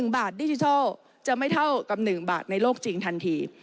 บาทดิจิทัลจะไม่เท่ากับ๑บาทในโลกจริงทันที